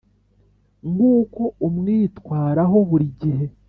nkuko umwitwaraho buri gihe